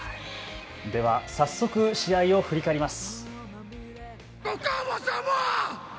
では早速試合を振り返ります。